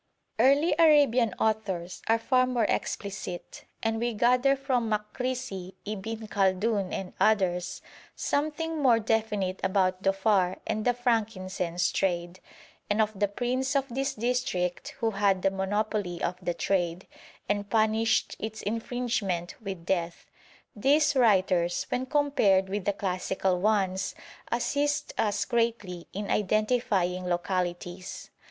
Early Arabian authors are far more explicit, and we gather from Makrisi, Ibn Khaldun, and others, something more definite about Dhofar and the frankincense trade, and of the prince of this district who had the monopoly of the trade, and punished its infringement with death. These writers, when compared with the classical ones, assist us greatly in identifying localities.